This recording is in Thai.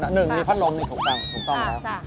หนึ่งมีพัดลมนี่ถูกต้องถูกต้องแล้ว